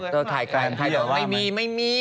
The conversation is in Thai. ถ่ายค่ะไม่มี